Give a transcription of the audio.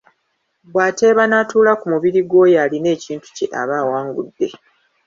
Bw’ateeba n’atuula ku mubiri gw’oyo alina ekintu kye aba awangudde.